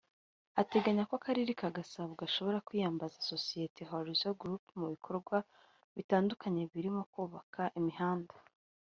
ateganya ko Akarere ka Gasabo gashobora kwiyambaza Sosiyete Horizon Group mu bikorwa bitandukanye birimo kubaka imihanda